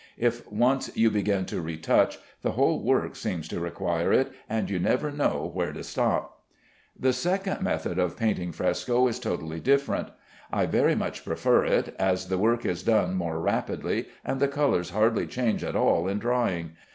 If once you begin to retouch, the whole work seems to require it, and you never know where to stop. The second method of painting fresco is totally different. I very much prefer it, as the work is done more rapidly, and the colors hardly change at all in drying.